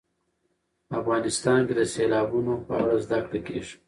افغانستان کې د سیلابونه په اړه زده کړه کېږي.